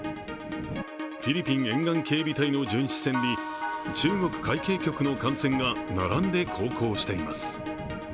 フィリピン沿岸警備隊の巡視船に、中国海警局の艦船が並んで航行しています。